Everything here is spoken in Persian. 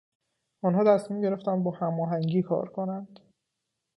آنها تصمیم گرفتند با هماهنگی کار کنند.